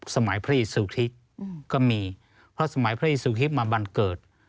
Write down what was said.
สมัยพระอิสุทธิกษ์ก็มีเพราะสมัยพระอิสุทธิกษ์มาบันเกิด